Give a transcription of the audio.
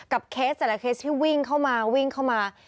กับเคสแต่ละเคสที่วิ่งเข้ามา